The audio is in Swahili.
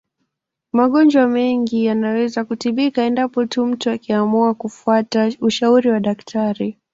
Magonjwa mengi yanaweza kutibika endapo tu mtu akiamua kufata ushauri wa daktari